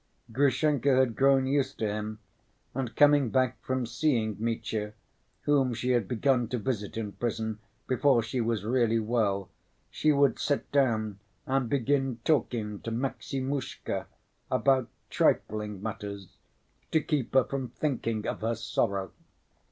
Grushenka had grown used to him, and coming back from seeing Mitya (whom she had begun to visit in prison before she was really well) she would sit down and begin talking to "Maximushka" about trifling matters, to keep her from thinking of her sorrow.